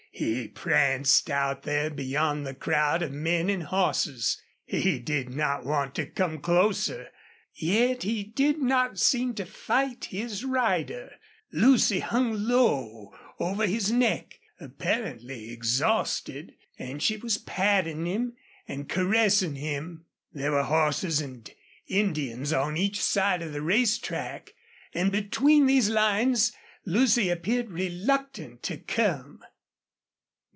He pranced out there beyond the crowd of men and horses. He did not want to come closer. Yet he did not seem to fight his rider. Lucy hung low over his neck, apparently exhausted, and she was patting him and caressing him. There were horses and Indians on each side of the race track, and between these lines Lucy appeared reluctant to come.